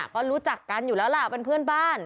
ก็รู้จักกันอยู่แล้วล่ะเป็นเพื่อนบ้าน